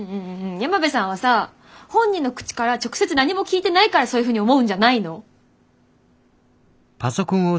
山辺さんはさ本人の口から直接何も聞いてないからそういうふうに思うんじゃないの？